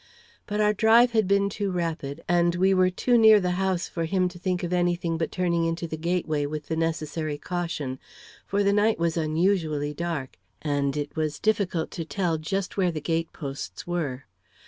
But our drive had been too rapid, and we were too near the house for him to think of any thing but turning into the gateway with the necessary caution. For the night was unusually dark, and it was difficult to tell just where the gate posts were.